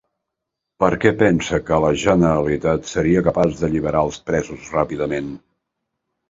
Per què pensa que la Generalitat seria capaç d'alliberar els presos ràpidament?